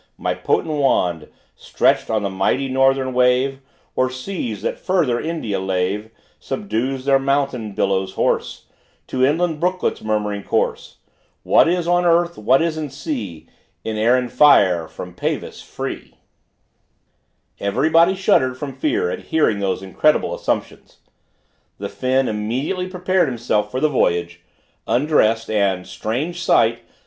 My potent wand, Stretched on the mighty northern wave, Or seas that farther India lave, Subdues their mountain billows hoarse, To inland brooklets' murmuring course. What is on earth, what is in sea, In air and fire, from Peyvis free? Everybody shuddered from fear at hearing these incredible assumptions. The Finn immediately prepared himself for the voyage, undressed, and, strange sight!